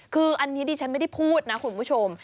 คืออันนี้ดิฉันไม่ได้พูดนะคุณผู้ชม